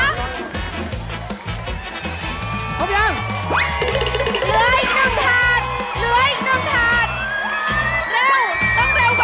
ตอนนี้นะคะเวลาจะหมดแล้ว